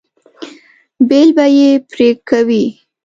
بیل به یې پرې کوئ.